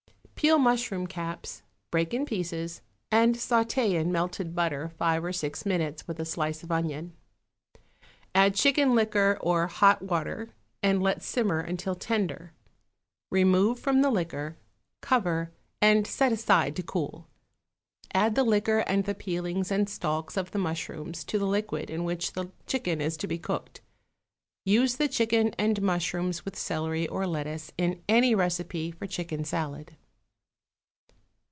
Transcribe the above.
= Peel mushroom caps, break in pieces, and sauté in melted butter five or six minutes with a slice of onion; add chicken liquor or hot water and let simmer until tender. Remove from the liquor, cover, and set aside to cool. Add the liquor and the peelings and stalks of the mushrooms to the liquid in which the chicken is to be cooked. Use the chicken and mushrooms with celery or lettuce in any recipe for chicken salad.